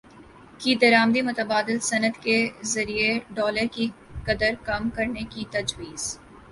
کی درامدی متبادل صنعت کے ذریعے ڈالر کی قدر کم کرنے کی تجویز